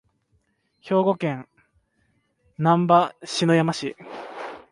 兵庫県丹波篠山市